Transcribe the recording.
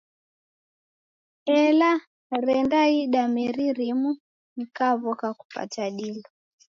Ela rendaida meri rimu, nikaw'oka kupata dilo.